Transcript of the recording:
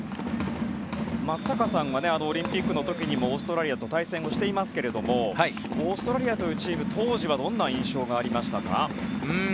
松坂さんはオリンピックの時にもオーストラリアと対戦をしていますがオーストラリアというチーム当時はどんな印象がありましたか？